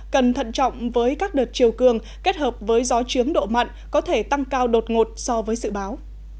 cần thận trọng với các đợt chiều cường kết hợp với gió trướng độ mặn có thể tăng cao đột ngột so với dự báo